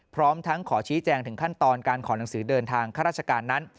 พร้อมทั้งขอชี้แจงถึงขั้นตอนการขอหนังสือเดินทางข้าราชการนั้น